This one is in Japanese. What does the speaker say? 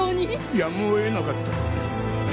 やむをえなかった。